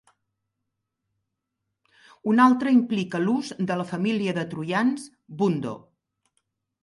Un altre implica l'ús de la família de troians Vundo.